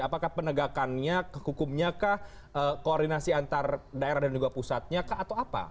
apakah penegakannya hukumnya kah koordinasi antar daerah dan juga pusatnya kah atau apa